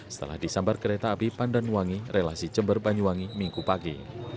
setelah disambar kereta api pandanwangi relasi jember banyuwangi minggu pagi